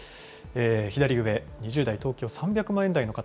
左上、２０代、東京、３００万円台の方。